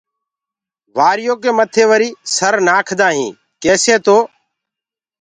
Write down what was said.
وآريو ڪي مٿي وري سر نآکدآ هين ڪيسآ تو